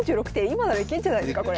今ならいけるんじゃないですかこれ。